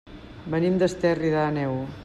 Venim d'Esterri d'Àneu.